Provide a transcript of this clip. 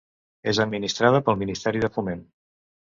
És administrada pel Ministeri de Foment.